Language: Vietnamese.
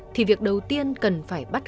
thì việc đầu tiên cần phải bắt đầu